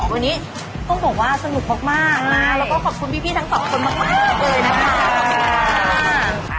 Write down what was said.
วันนี้ต้องบอกว่าสนุกมากแล้วก็ขอบคุณพี่ทั้งสองคนมากเลยนะคะ